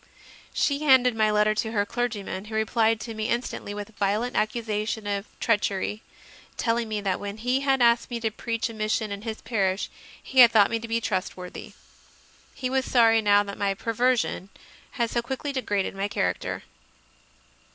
She handed my letter to her clergyman, who replied to me instantly with a violent accusation of treach ery, telling me that when he had asked me to preach a mission in his parish he had thought me to be trustworthy; he was sorry now that my "per version" had so quickly degraded my character.